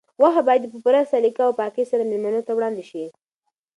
غوښه باید په پوره سلیقه او پاکۍ سره مېلمنو ته وړاندې شي.